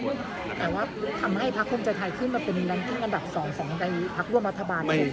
แต่ว่าทำให้พักภูมิใจไทยขึ้นมาเป็นแรงขึ้นอันดับ๒ของในพักร่วมรัฐบาล